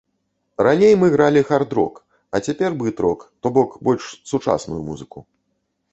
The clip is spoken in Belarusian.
Раней мы гралі хард-рок, а цяпер брыт-рок, то бок больш сучасную музыку.